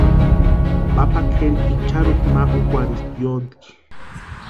Papa kʼeri icharhuta ma úkwarhispti yóntki.